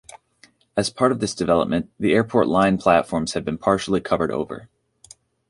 As part of this development, the Airport line platforms have been partially covered over.